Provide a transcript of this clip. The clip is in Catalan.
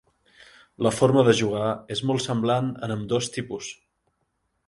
La forma de jugar és molt semblant en ambdós tipus.